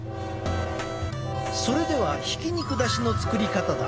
それではひき肉だしの作り方だ。